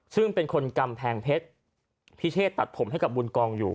ซึ่งเป็นคนกำแพงเพชรพิเชษตัดผมให้กับบุญกองอยู่